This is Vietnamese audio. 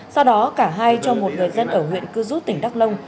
sau đó cả hai cho một người dân ở huyện cư rút tỉnh đắk nông